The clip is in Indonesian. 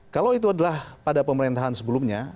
kalau itu adalah pada pemerintahan sebelumnya